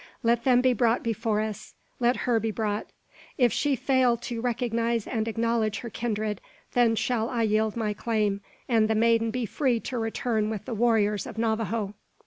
Let them be brought before us; let her be brought. If she fail to recognise and acknowledge her kindred, then shall I yield my claim, and the maiden be free to return with the warriors of Navajo."